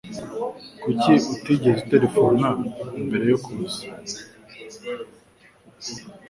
Kuki utigeze uterefona mbere yo kuza